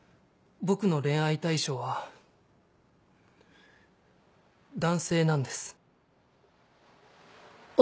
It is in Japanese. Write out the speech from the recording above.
僕の恋愛対象は男性なんです。